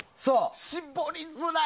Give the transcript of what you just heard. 絞りづらい。